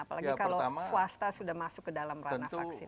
apalagi kalau swasta sudah masuk ke dalam ranah vaksin